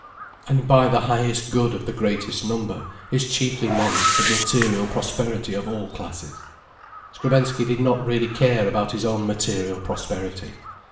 And by the highest good of the greatest number is chiefly meant the material prosperity of all classes. Skrebensky did not really care about his own material prosperity.